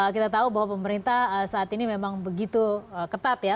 kita tahu bahwa pemerintah saat ini memang begitu ketat ya